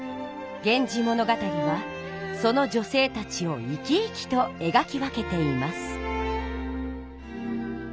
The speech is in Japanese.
「源氏物語」はその女性たちを生き生きとえがき分けています。